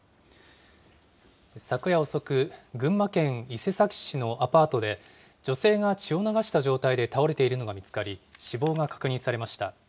昨夜遅く、群馬県伊勢崎市のアパートで、女性が血を流した状態で倒れているのが見つかり、死亡が確認されました。